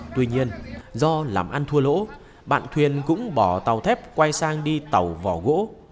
tuy nhiên do làm ăn thua lỗ bạn thuyền cũng bỏ tàu thép quay sang đi tàu vỏ gỗ